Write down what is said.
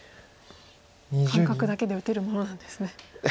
感覚だけで打てるものなんですね。